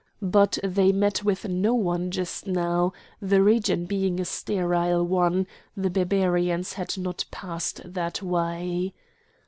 But they met with no one just now; the region being a sterile one, the Barbarians had not passed that way.